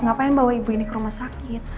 ngapain bawa ibu ini ke rumah sakit